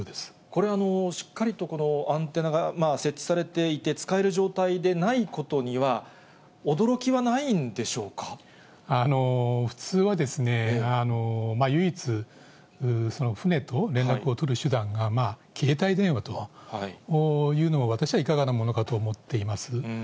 これは、しっかりと、このアンテナが設置されていて、使える状態でないことには、驚きはない普通は、唯一、船と連絡を取る手段が携帯電話というのは、私はいかがなものかと思っています。